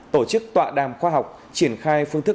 tổ chức tọa đàm khoa học triển khai phương thức